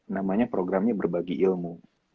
namanya programnya berbagi ilmu